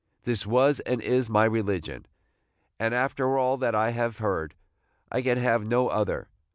This was and is my religion; and, after all that I have heard, I can have no other.